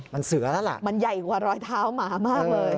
มันเสือแล้วล่ะมันใหญ่กว่ารอยเท้าหมามากเลย